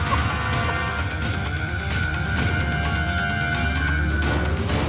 โอ้โอ้